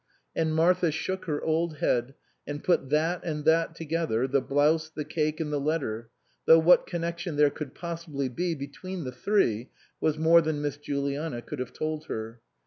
And Martha shook her old head and put that and that together, the blouse, the cake and the letter ; though what connection there could possibly be between the three was more than Miss Juliana could have told her.